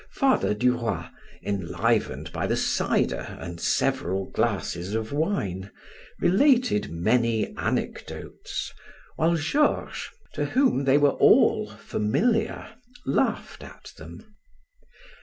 Father Duroy, enlivened by the cider and several glasses of wine, related many anecdotes, while Georges, to whom they were all familiar, laughed at them.